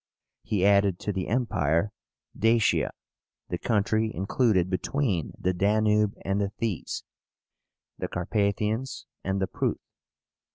He added to the Empire Dacia, the country included between the Danube and the Theiss, the Carpathians and the Pruth.